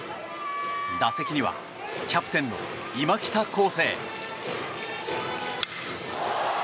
打席にはキャプテンの今北孝晟。